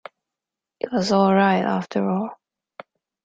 It was all right, after all.